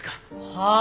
はあ？